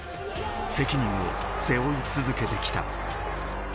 責任を背負い続けてきた。